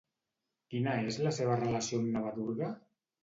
Quina és la seva relació amb Navadurga?